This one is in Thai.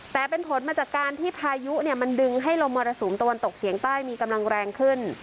แต่เป็นผลมาจากการที่พายุมันดึงให้ลมมรสุมตะวันตกเฉียงใต้มีกำลังแรงขึ้น